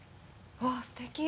わぁすてき。